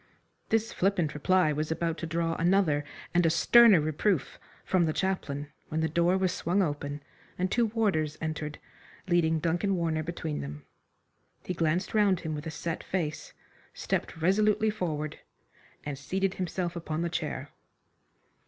This flippant reply was about to draw another and a sterner reproof from the chaplain, when the door was swung open and two warders entered leading Duncan Warner between them. He glanced round him with a set face, stepped resolutely forward, and seated himself upon the chair.